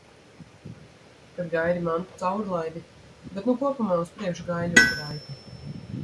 Kad gaidi mantu caurlaidi, bet nu kopumā uz priekšu gāja ļoti raiti.